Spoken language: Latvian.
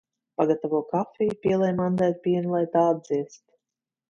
Pagatavo kafiju, pielej mandeļu pienu, lai tā atdziest.